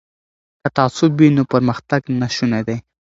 که تعصب وي نو پرمختګ ناشونی دی.